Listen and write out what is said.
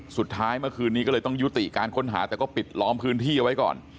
เมื่อคืนนี้ก็เลยต้องยุติการค้นหาแต่ก็ปิดล้อมพื้นที่เอาไว้ก่อน